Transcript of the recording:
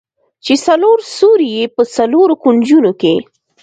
چې څلور سوري يې په څلورو کونجونو کښې.